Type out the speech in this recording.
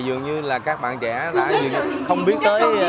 dường như là các bạn trẻ đã không biết tới